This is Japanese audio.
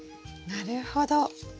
なるほど。